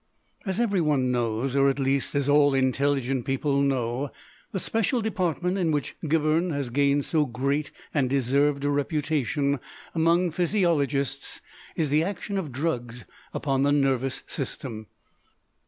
As every one knows, or at least as all intelligent people know, the special department in which Gibberne has gained so great and deserved a reputation among physiologists is the action of drugs upon the nervous system.